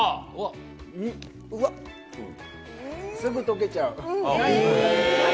すぐ溶けちゃう。